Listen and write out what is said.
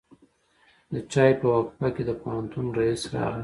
د چای په وقفه کې د پوهنتون رئیس راغی.